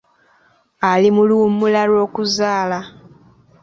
Ali mu luwummula lw'okuzaala.